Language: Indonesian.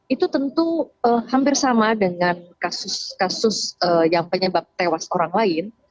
itu tentu hampir sama dengan kasus kasus yang penyebab tewas orang lain